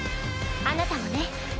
あなたもね